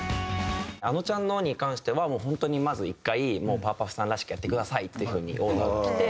ａｎｏちゃんのに関しては本当にまず１回パワパフさんらしくやってくださいっていう風にオーダーがきて。